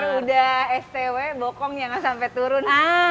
biar udah stw bokong ya gak sampai turun